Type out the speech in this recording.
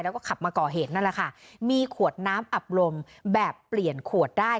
แล้วก็ขับมาก่อเหตุนั่นแหละค่ะมีขวดน้ำอับลมแบบเปลี่ยนขวดได้